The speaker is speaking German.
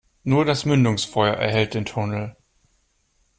Nur das Mündungsfeuer erhellt den Tunnel.